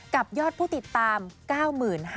กับยอดผู้ติดตาม๙๕๑๘๕คน